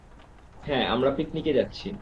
হ্যাঁ আমরা পিকনিকে যাচ্ছি।